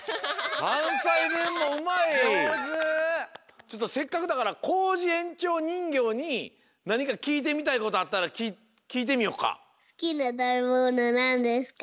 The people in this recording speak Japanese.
ちょっとせっかくだからコージえんちょうにんぎょうになにかきいてみたいことあったらきいてみよっか？